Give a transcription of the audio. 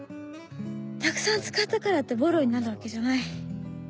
たくさん使ったからってボロになるわけじゃない。